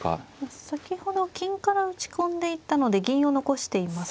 先ほど金から打ち込んでいったので銀を残していますね。